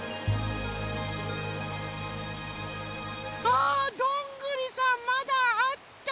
あどんぐりさんまだあった！